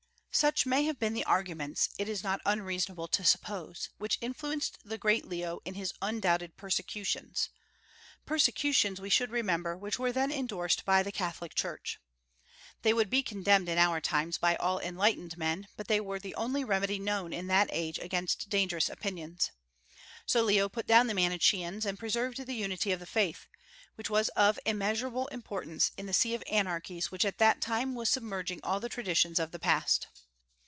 Such may have been the arguments, it is not unreasonable to suppose, which influenced the great Leo in his undoubted persecutions, persecutions, we should remember, which were then indorsed by the Catholic Church. They would be condemned in our times by all enlightened men, but they were the only remedy known in that age against dangerous opinions. So Leo put down the Manicheans and preserved the unity of the faith, which was of immeasurable importance in the sea of anarchies which at that time was submerging all the traditions of the past.